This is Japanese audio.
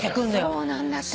そうなんだってね。